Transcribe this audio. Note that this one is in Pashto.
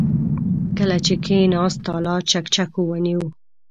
کله چې کېناست، تالار چکچکو ونيو.